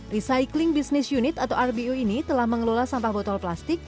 recycling business unit atau rbu ini telah mengelola sampah botol plastik